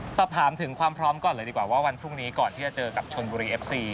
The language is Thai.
สอบถามถึงความพร้อมก่อนเลยดีกว่าว่าวันพรุ่งนี้ก่อนที่จะเจอกับชนบุรีเอฟซี